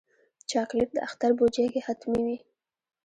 چاکلېټ د اختر بوجۍ کې حتمي وي.